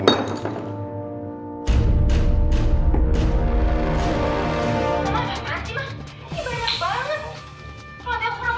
ini banyak banget